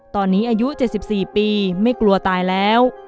ตอนนี้อายุเจ็ดสิบสี่ปีไม่กลัวตายแล้ว